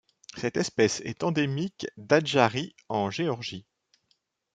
Cette espèce est endémique d'Adjarie en Géorgie.